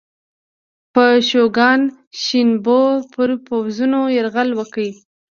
شوګان شینوبو پر پوځونو یرغل وکړ.